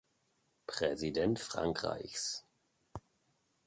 Präsident Frankreichs.